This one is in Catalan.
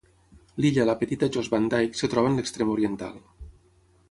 L'illa la Petita Jost Van Dike es troba en l'extrem oriental.